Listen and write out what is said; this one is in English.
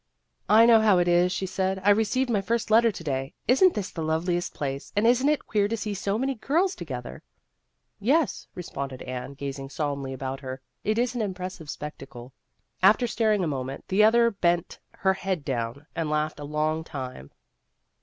" I know how it is," she said ;" I received my first letter yesterday. Is n't this the loveliest place, and is n't it queer to see so many girls together ?"" Yes," responded Anne, gazing sol emnly about her, " it is an impressive spectacle." After staring a moment, the other bent her head down, and laughed a long time.